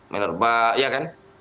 menerbak ya kan